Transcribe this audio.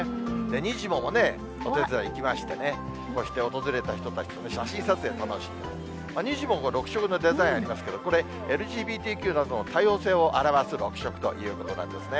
にじモもお手伝い行きましてね、こうして訪れた人たちと写真撮影を楽しんで、にじモも６色のデザインしてありますけど、これ、ＬＧＢＴＱの多様性を表す６色ということなんですね。